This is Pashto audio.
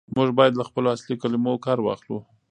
موږ بايد له خپلو اصلي کلمو کار واخلو.